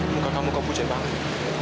muka kamu kebucat banget